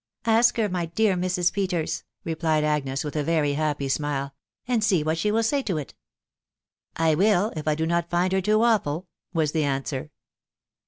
" Ask her, my dear Mrs. Peters," replied Agnes with a very happy smile, " and see what she will say to it." " I will, if I do not find her too awful," was the answer.